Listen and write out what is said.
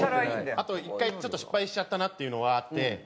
あと１回ちょっと失敗しちゃったなっていうのはあって。